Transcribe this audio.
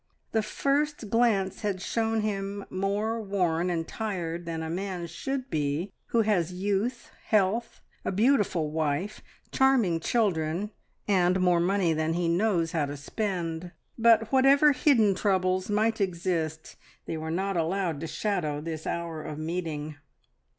The first glance had shown him more worn and tired than a man should be who has youth, health, a beautiful wife, charming children, and more money than he knows how to spend; but whatever hidden troubles might exist, they were not allowed to shadow this hour of meeting.